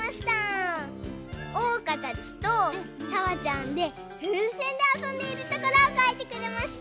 おうかたちとさわちゃんでふうせんであそんでいるところをかいてくれました。